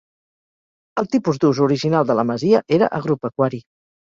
El tipus d'ús original de la masia era agropecuari.